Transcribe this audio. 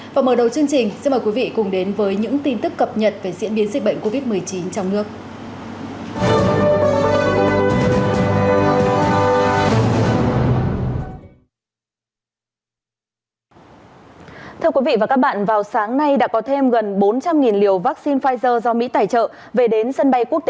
và mở đầu chương trình xin mời quý vị cùng đến với những tin tức cập nhật về diễn biến dịch bệnh covid một mươi chín trong nước